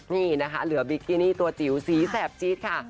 นี่นะคะเหลือบิกินี่ตัวจิ๋วสีแสบจี๊ดค่ะ